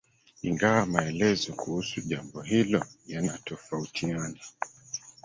ingawa maelezo kuhusu jambo hilo yanatofautiana